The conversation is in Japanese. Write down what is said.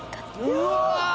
うわ！